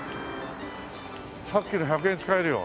さっきの１００円使えるよ。